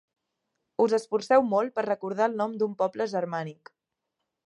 Us esforceu molt per recordar el nom d'un poble germànic.